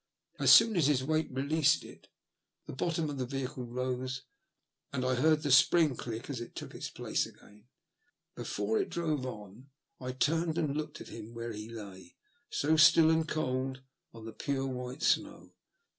As soon as his weight released it the bottom of the vehicle rose, and I heard the spring click as it took its place again. Before I drove on I turned and looked at him where he lay so still and cold on the pure white snow, 96 THE LtJST OP HATE.